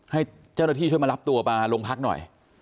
ให้เจ้าหน้าที่ช่วยมารับตัวมาโรงพักหน่อย